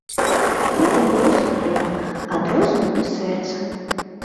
Гэта было сумленна, ад розуму і сэрца.